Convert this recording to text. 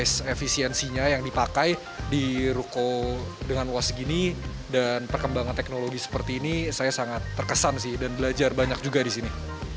proses efisiensinya yang dipakai di ruko dengan luas gini dan perkembangan teknologi seperti ini saya sangat terkesan sih dan belajar banyak juga di sini